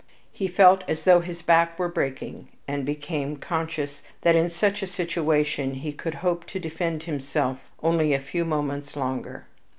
He felt as though his back were breaking, and became conscious that in such a situation he could hope to defend himself only a few moments longer.